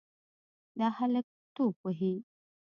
دا هلک توپ وهي.